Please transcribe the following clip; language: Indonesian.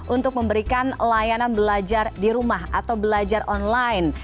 untuk memberikan layanan belajar di rumah atau belajar online